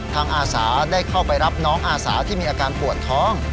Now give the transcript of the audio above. อาสาได้เข้าไปรับน้องอาสาที่มีอาการปวดท้อง